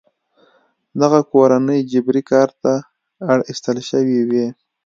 دغه کورنۍ جبري کار ته اړ ایستل شوې وې.